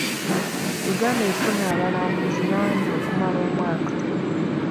Uganda efuna abalambuzi bangi okumala omwaka.